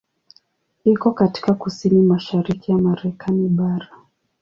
Iko katika kusini-mashariki ya Marekani bara.